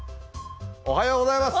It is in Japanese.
おはようございます。